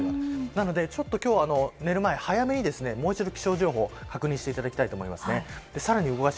なので今日は、ちょっと寝る前にもう一度、気象情報を確認していただきたいと思います。